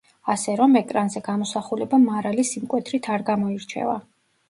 ასე რომ ეკრანზე გამოსახულება მარალი სიმკვეთრით არ გამოირჩევა.